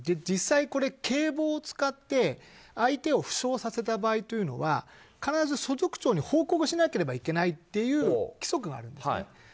実際、警棒を使って相手を負傷させた場合というのは必ず所属長に報告しなければいけないという規則があるんです。